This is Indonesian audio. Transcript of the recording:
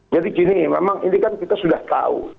jadi gini memang ini kan kita sudah tahu